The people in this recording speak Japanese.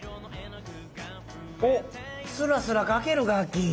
おっスラスラかけるガッキー。